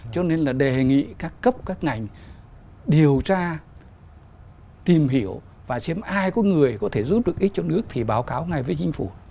cho nên là đề nghị các cấp các ngành điều tra tìm hiểu và xem ai có người có thể giúp được ích cho nước thì báo cáo ngay với chính phủ